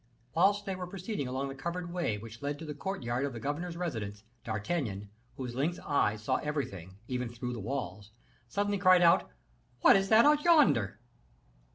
Whilst they were proceeding along the covered way which led to the courtyard of the governor's residence, D'Artagnan, whose lynx eyes saw everything, even through the walls, suddenly cried out, "What is that out yonder?"